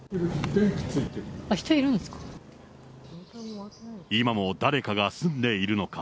人いるんですか？